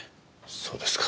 そうですか。